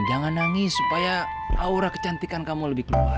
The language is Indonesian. jangan nangis supaya aura kecantikan kamu lebih keluar